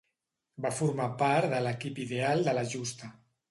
Va formar part de l'equip ideal de la justa.